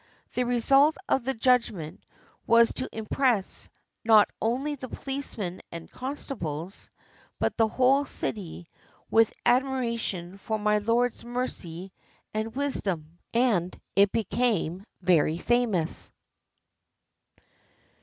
The result of the judgment was to impress not only the poHcemen and constables, but the whole city with admiration for my lord's mercy and wisdom, and it became very famous.